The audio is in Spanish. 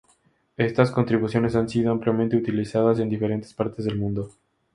Estas contribuciones han sido ampliamente utilizadas en diferentes partes del mundo.